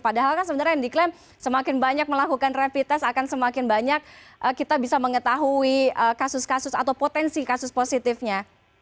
padahal kan sebenarnya yang diklaim semakin banyak melakukan rapid test akan semakin banyak kita bisa mengetahui kasus kasus atau potensi kasus positifnya